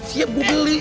siap gue beli